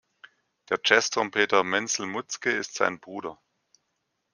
Der Jazztrompeter Menzel Mutzke ist sein Bruder.